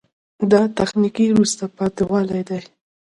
دا تخنیکي وروسته پاتې والی ده.